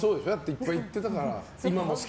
いっぱい行ってたから。